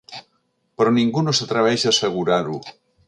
Però ningú no s’atreveix a assegurar-ho.